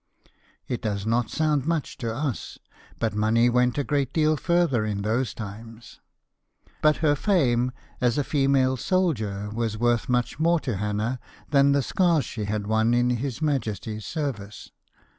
It does not sound much to us, but money went a great deal further in those times. But her fame as a female soldier was worth much more to Hannah than the scars she had won in His Majesty's service.